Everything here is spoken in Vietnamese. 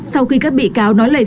sau khi các bị cáo nói lời